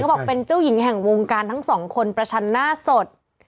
บอกเป็นเจ้าหญิงแห่งวงการทั้งสองคนประชันหน้าสด